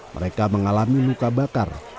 mereka mengalami luka bakar